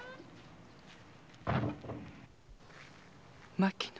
牧野。